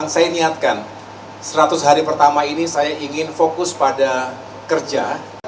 saya niatkan seratus hari pertama ini saya ingin fokus pada kerja